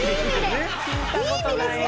いい意味ですよ！